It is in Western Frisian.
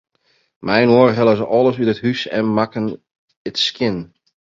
Mei-inoar hellen se alles út it hús en makken it skjin.